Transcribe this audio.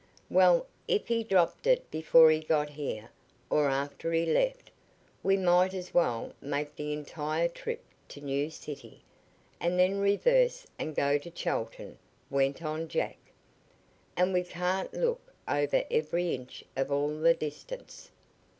"Well, if he dropped it before he got here, or after he left, we might as well make the entire trip to New City, and then reverse and go to Chelton," went on Jack. "And we can't look over every inch of all the distance."